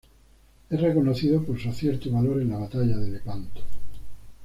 Es reconocido por su acierto y valor en la Batalla de Lepanto.